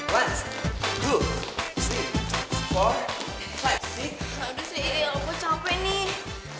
waduh sei iri aku capek nih